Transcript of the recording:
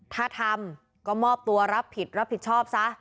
ถ้าทำก็มอบตัวรับผิดรับผิดชอบซะ